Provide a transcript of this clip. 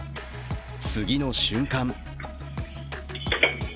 次の瞬間。